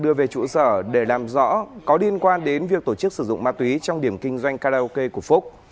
đưa về trụ sở để làm rõ có liên quan đến việc tổ chức sử dụng ma túy trong điểm kinh doanh karaoke của phúc